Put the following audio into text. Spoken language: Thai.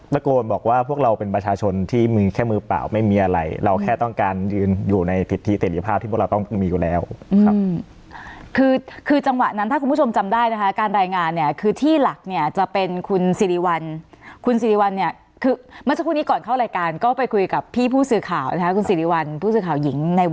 ถ้าพวกเราเป็นประชาชนที่มึงแค่มือเปล่าไม่มีอะไรเราแค่ต้องการยืนอยู่ในผิดที่เตรียมภาพที่พวกเราต้องมีอยู่แล้วอืมคือคือจังหวะนั้นถ้าคุณผู้ชมจำได้นะคะการรายงานเนี้ยคือที่หลักเนี้ยจะเป็นคุณสิริวัลคุณสิริวัลเนี้ยคือเมื่อเจ้าคู่นี้ก่อนเข้ารายการก็ไปคุยกับพี่ผู้สื่อข่าวนะฮะ